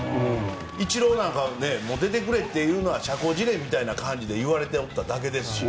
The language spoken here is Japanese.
イチローなんか出てくれというのは社交辞令みたいな感じで言われてただけですしね。